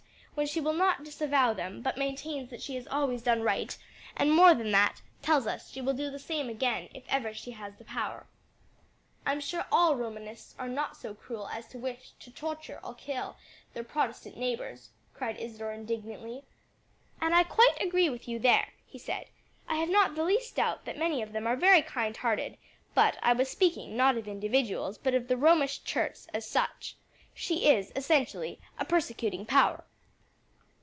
when she will not disavow them, but maintains that she has always done right? and more than that, tells us she will do the same again if ever she has the power." "I'm sure all Romanists are not so cruel as to wish to torture or kill their Protestant neighbors," cried Isadore indignantly. "And I quite agree with you there," he said; "I have not the least doubt that many of them are very kind hearted; but I was speaking, not of individuals, but of the Romish Church as such. She is essentially a persecuting power."